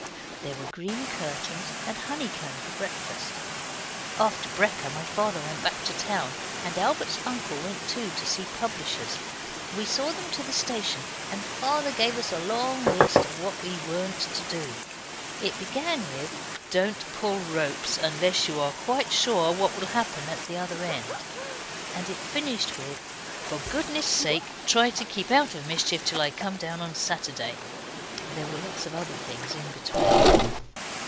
There were green curtains, and honeycomb for breakfast. After brekker my father went back to town, and Albert's uncle went too, to see publishers. We saw them to the station, and Father gave us a long list of what we weren't to do. It began with 'Don't pull ropes unless you're quite sure what will happen at the other end,' and it finished with 'For goodness sake, try to keep out of mischief till I come down on Saturday'. There were lots of other things in between.